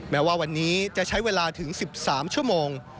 แม้ว่าวันนี้จะใช้เวลาถึง๑๓ชั่วโมง